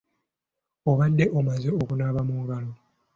Obadde omaze okunaaba mu ngalo?